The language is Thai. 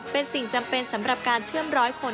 เป็นสิ่งจำเป็นสำหรับการเชื่อมร้อยคน